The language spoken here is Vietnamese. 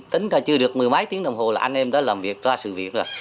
tính ra chưa được mười mấy tiếng đồng hồ là anh em đã làm việc ra sự việc rồi